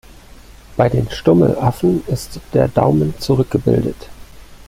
Bei den Stummelaffen ist der Daumen zurückgebildet.